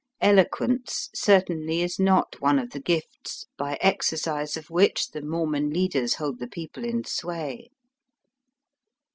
Eloquence certainly is not one of the gifts by exercise of which the Mormon leaders hold the people in sway.